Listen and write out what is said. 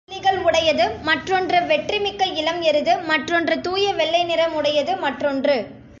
பொன் புள்ளிகள் உடையது மற்றொன்று வெற்றி மிக்க இளம் எருது மற்றொன்று தூய வெள்ளை நிறம் உடையது மற்றொன்று.